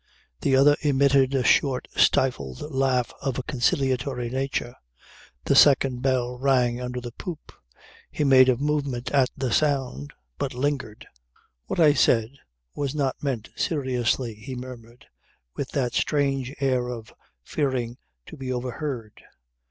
The other emitted a short stifled laugh of a conciliatory nature. The second bell rang under the poop. He made a movement at the sound, but lingered. "What I said was not meant seriously," he murmured, with that strange air of fearing to be overheard.